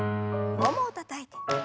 ももをたたいて。